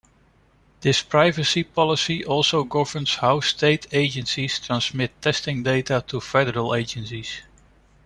This privacy policy also governs how state agencies transmit testing data to federal agencies.